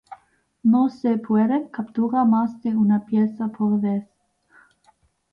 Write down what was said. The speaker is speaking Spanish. No se pueden capturar más de una pieza por vez.